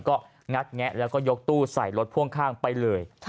ก็งัดแงะแล้วก็ยกตู้ใส่รถพ่วงข้างไปเลย